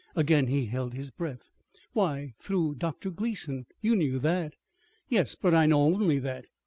Again he held his breath. "Why, through Dr. Gleason. You knew that!" "Yes, but I know only that.